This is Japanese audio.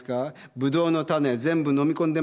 ブドウの種全部飲み込んでませんか。